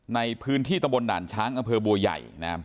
ในพื้นที่ตำบลด่านช้างอำเภอบัวใหญ่